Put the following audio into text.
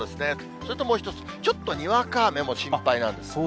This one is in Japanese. それともう一つ、ちょっと、にわか雨も心配なんです。